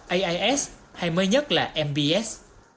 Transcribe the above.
ais hay mới nhất là mbs